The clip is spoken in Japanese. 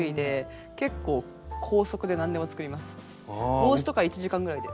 帽子とか１時間ぐらいで。